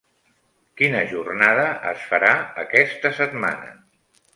Quina jornada es farà aquesta setmana?